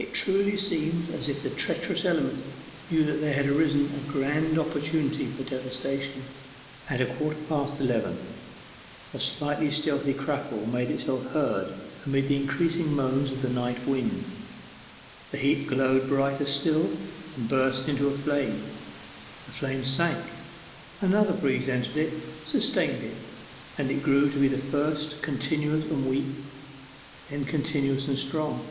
It truly seemed as if the treacherous element knew there had arisen a grand opportunity for devastation. At a quarter past eleven a slight stealthy crackle made itself heard amid the increasing moans of the night wind; the heap glowed brighter still, and burst into a flame; the flame sank, another breeze entered it, sustained it, and it grew to be first continuous and weak, then continuous and strong.